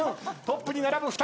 トップに並ぶ２人。